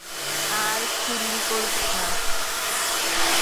আর খিল্লি করবি না?